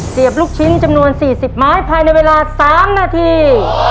บลูกชิ้นจำนวน๔๐ไม้ภายในเวลา๓นาที